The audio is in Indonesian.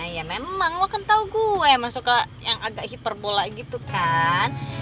ya memang lu kan tau gue maksudnya yang agak hiperbola gitu kan